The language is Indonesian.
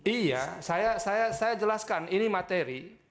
iya saya jelaskan ini materi